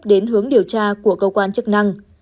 đến hướng điều tra của cơ quan chức năng